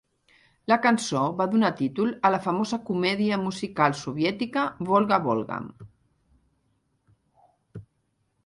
La cançó va donar títol a la famosa comèdia musical soviètica "Volga-Volga".